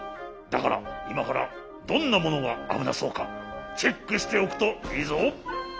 だからいまからどんなものがあぶなそうかチェックしておくといいぞ！